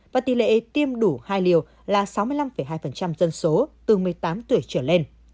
và tỷ lệ tiêm đủ hai liều là sáu mươi năm hai dân số từ một mươi tám tuổi trở lên